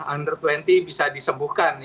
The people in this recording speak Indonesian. under dua puluh bisa disembuhkan